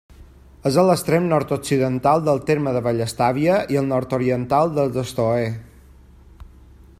És a l'extrem nord-occidental del terme de Vallestàvia i al nord-oriental del d'Estoer.